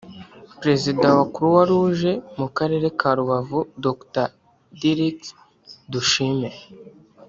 Perezida wa Croix-Rouge mu Karere ka Rubavu Dr Dyrckx Dushime